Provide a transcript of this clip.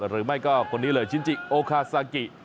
หรือไม่ก็คนนี้เลยชินจิโอคาซากิ